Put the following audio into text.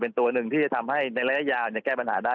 เป็นตัวหนึ่งที่จะทำให้ในระยะยาวแก้ปัญหาได้